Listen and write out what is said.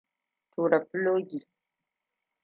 Tura filogi.